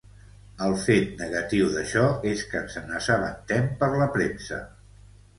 El fet negatiu d’això és que ens n’assabentem per la premsa.